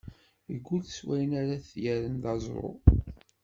Iggul s wayen ar ad t-yerren d aẓru.